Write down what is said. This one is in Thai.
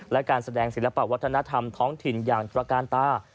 และการแสดงศิลปะวัฒนธรรมท้องถิ่นอย่างตระการตา